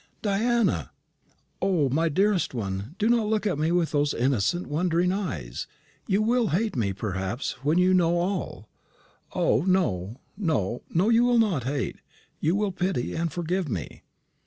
"Diana!" "O, my dearest one, do not look at me with those innocent, wondering eyes. You will hate me, perhaps, when you know all. O, no, no, no, you will not hate you will pity and forgive me.